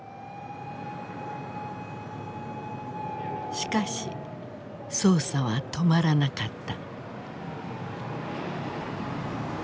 しかし捜査は止まらなかった。